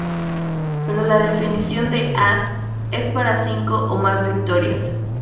Pero la definición de "as" es para cinco o más victorias.